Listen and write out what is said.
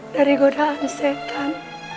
dari godaan setan